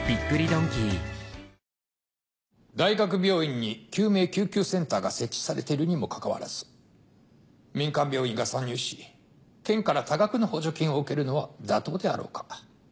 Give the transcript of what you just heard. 大学病院に救命救急センターが設置されているにもかかわらず民間病院が参入し県から多額の補助金を受けるのは妥当であろうか？